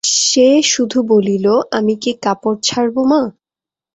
সে শুধু বলিল, আমি কি কাপড় ছাড়বো মা?